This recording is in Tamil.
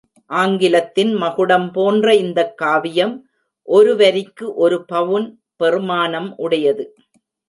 ஆங்கிலத்தின் மகுடம் போன்ற இந்தக் காவியம் ஒருவரிக்கு ஒரு பவுன் பெறுமானம் உடையது.